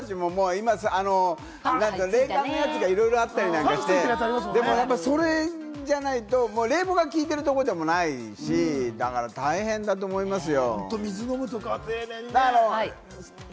今、冷感グッズとかいろいろあったりして、それじゃないと冷房が効いてるところでもないし、大変だと思いますよ。